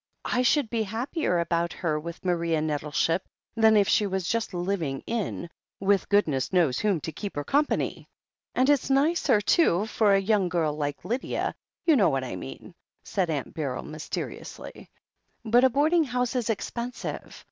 "I should be happier about her with Maria Nettle ship than if she was just living in' with goodness knows whom to keep her company. And it's nicer, too, for a young girl like Lydia — ^you know what I mean," said Aunt Beryl mysteriously. "But a boarding house is expensive.